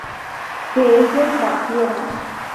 que ellos partieran